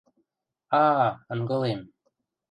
— А-а, ынгылем...